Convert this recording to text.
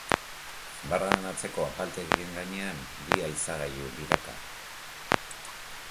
Barraren atzeko apalategien gainean bi haizagailu biraka.